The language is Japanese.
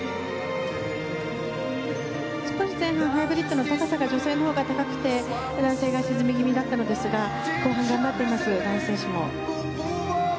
少し前半、ハイブリッドの高さが女性のほうが高くて男性が沈み気味だったのですが後半頑張っています。